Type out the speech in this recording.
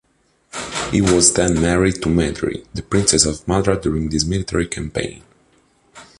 He was then married to Madri, the princess of Madra during this military campaign.